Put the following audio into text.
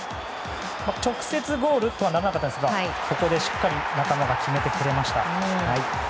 直接ゴールとはならなかったですがここでしっかり仲間が決めてくれました。